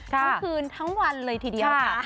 ทั้งคืนทั้งวันเลยทีเดียวค่ะ